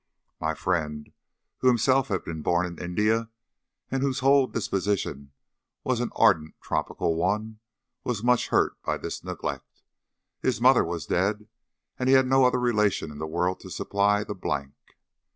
My friend, who had himself been born in India, and whose whole disposition was an ardent tropical one, was much hurt by this neglect. His mother was dead, and he had no other relation in the world to supply the blank.